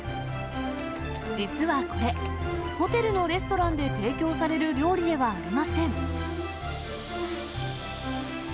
実はこれ、ホテルのレストランで提供される料理ではありません。